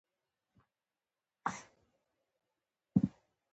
او د باجوړ، دیر او ناوګۍ ټولې سیمې یې ونیولې.